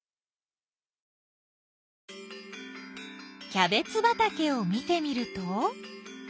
キャベツばたけを見てみると。